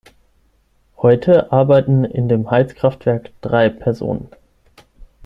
Heute arbeiten in dem Heizkraftwerk drei Personen.